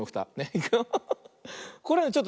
いくよ。